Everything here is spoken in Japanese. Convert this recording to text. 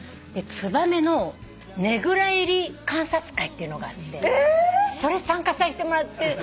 ツバメのねぐら入り観察会っていうのがあってそれ参加させてもらって。